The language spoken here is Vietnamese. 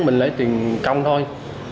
mình lấy tiền công thôi